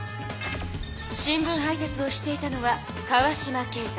新聞配達をしていたのは川島圭太。